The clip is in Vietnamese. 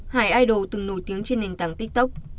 hải idol từng nổi tiếng trên nền tảng tiktok